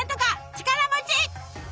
力持ち！